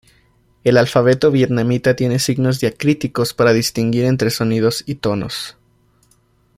El alfabeto vietnamita tiene signos diacríticos para distinguir entre sonidos y tonos.